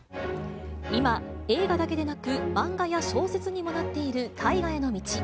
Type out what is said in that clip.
今、映画だけでなく、漫画や小説にもなっている大河への道。